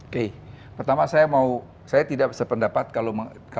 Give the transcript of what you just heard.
oke pertama saya mau saya tidak sependapat kalau